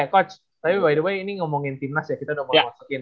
eh coach tapi by the way ini ngomongin tim nas ya kita udah mau masukin